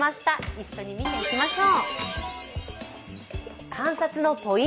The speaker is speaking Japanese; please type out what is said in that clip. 一緒に見ていきましょう。